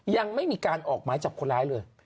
ยังไม่มีการออกหมายจับคนร้ายเลย